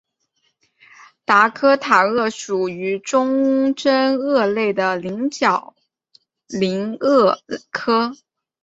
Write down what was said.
达科塔鳄属于中真鳄类的棱角鳞鳄科。